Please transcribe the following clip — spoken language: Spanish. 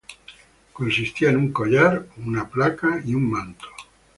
Consistía en un collar, una placa y un manto.